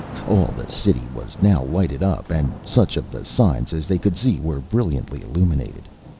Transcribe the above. All the city was now lighted up, and such of the signs as they could see were brilliantly illumined.